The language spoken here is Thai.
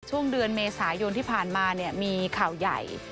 ช่วงเดือนเมษายนที่ผ่านมามีข่าวใหญ่